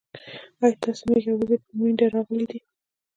ايا ستاسي ميږي او وزې پر مينده راغلې دي